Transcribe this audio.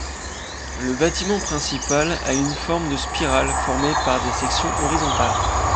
Le bâtiment principal a une forme de spirale formée par des sections horizontales.